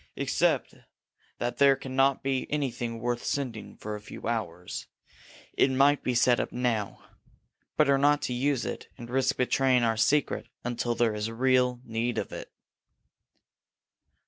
Except that there can not be anything worth sending for a few hours, it might be set up now. Better not to use it and risk betraying our secret until there is real need of it."